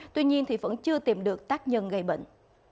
tuy nhiên vẫn chưa tìm được tác nhân gây bệnh